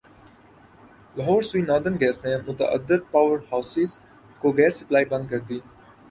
Lahore Sui northern gas نے متعدد power houses کو گیس سپلائی بند کر دی